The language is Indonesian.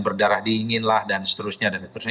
berdarah dingin lah dan seterusnya dan seterusnya